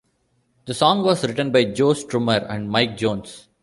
The song was written by Joe Strummer and Mick Jones.